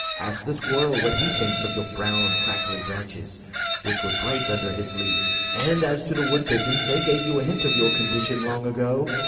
Ask the Squirrel what he thinks of your brown crackly branches, which would break under his leaps. And as to the Wood pigeons, they gave you a hint of your condition long ago.